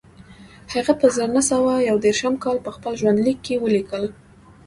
هغه په زر نه سوه یو دېرش کال په خپل ژوندلیک کې ولیکل